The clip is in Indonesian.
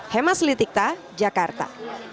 hema selitikta jakarta